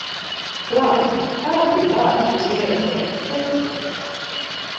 Labi, kāds bija vārds uz ieraksta etiķetes?